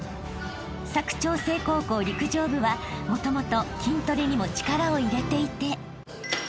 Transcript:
［佐久長聖高校陸上部はもともと筋トレにも力を入れていて］